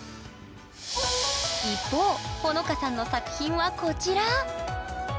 一方ほのかさんの作品はこちら！